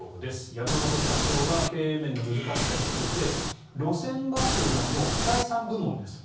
山本社長は経営面の難しさについて路線バスというのはもう不採算部門ですと。